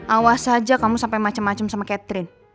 awas aja kamu sampai macem macem sama catherine